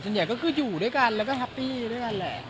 ใหญ่ก็คืออยู่ด้วยกันแล้วก็แฮปปี้ด้วยกันแหละ